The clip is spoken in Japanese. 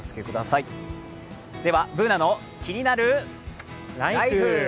では「ＢｏｏｎａのキニナルＬＩＦＥ」。